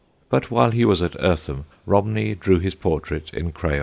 But while he was at Eartham Romney drew his portrait in crayons.